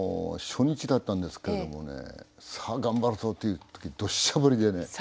初日だったんですけれどもね「さあ頑張るぞ」っていう時にどしゃ降りでね。